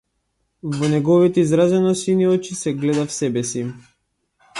Во неговите изразено сини очи се гледав себеси.